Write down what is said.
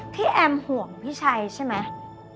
แอมห่วงพี่ชัยใช่ไหม